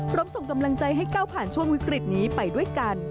ส่งกำลังใจให้ก้าวผ่านช่วงวิกฤตนี้ไปด้วยกัน